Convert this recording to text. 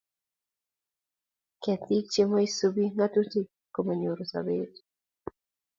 Ketik che moisubi ngatutik komonyoru sobet